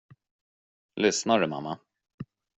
Lyssnar du, mamma?